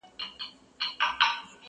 مونږه د مینې تاوانونه کړي ,